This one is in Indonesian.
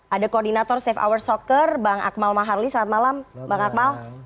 ada koordinator safe hour soccer bang akmal maharli selamat malam bang akmal